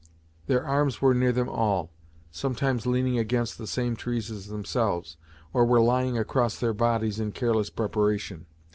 Their arms were near them all, sometimes leaning against the same trees as themselves, or were lying across their bodies in careless preparation.